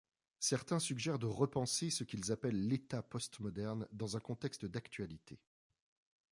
Certains suggèrent de repenser ce qu'ils appellent l'État post-moderne dans un contexte d'actualité.